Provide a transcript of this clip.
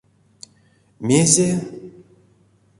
Мезе?